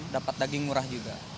dapet daging murah juga